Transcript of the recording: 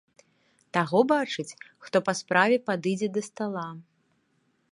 Таго бачыць, хто па справе падыдзе да стала.